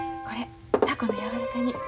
これたこのやわらか煮。